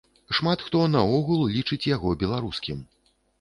Шмат хто наогул лічыць яго беларускім.